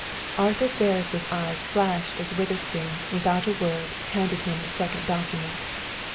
Arthur Ferris' eyes flashed fire as Witherspoon, without a word, handed him the second document.